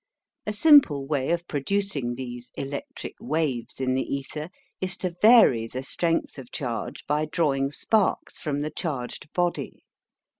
A simple way of producing these "electric waves" in the ether is to vary the strength of charge by drawing sparks from the charged body.